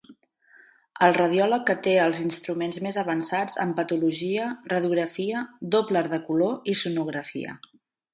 El radiòleg que té els instruments més avançats en patologia, radiografia, doppler de color i sonografia.